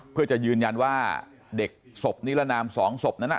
เพื่อจะยืนยันว่าเด็กศพนิรนาม๒ศพนั้น